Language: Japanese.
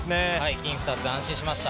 金２つ、安心しました。